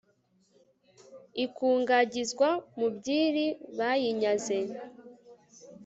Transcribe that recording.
ikungagizwa mu myiri bayinyaze